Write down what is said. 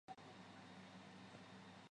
萨勒诺夫人口变化图示